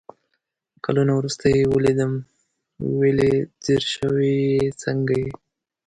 کالونه ورورسته يې ويلدم ول يې ځير شوي يې ، څنګه يې ؟